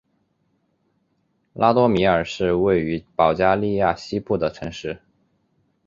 拉多米尔是位于保加利亚西部的城市。